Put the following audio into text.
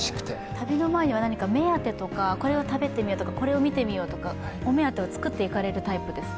旅の前には目当てとか、これを食べてみようとかこれを見てみようとか、お目当てを作って行かれるタイプですか？